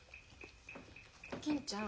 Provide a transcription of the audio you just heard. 銀ちゃん。